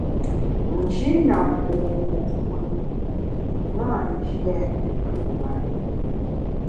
N’ji na po ngup mùn, m’a nji a tu nwer-i.